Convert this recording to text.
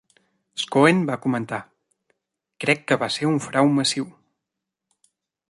Schoen va comentar, "Crec que va ser un frau massiu".